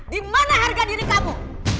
dimana harga diri kamu